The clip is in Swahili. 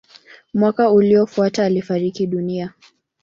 Mwaka uliofuata alifariki dunia.